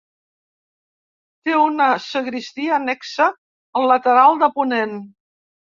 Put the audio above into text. Té una sagristia annexa al lateral de ponent.